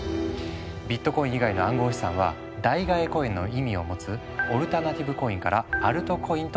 ビットコイン以外の暗号資産は「代替えコイン」の意味を持つ「オルタナティブコイン」から「アルトコイン」と呼ばれている。